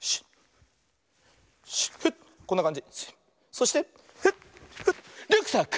そしてフッフッリュックサック！